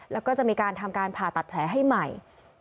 แล้วก็จะมีการทำการผ่าตัดแผลให้ใหม่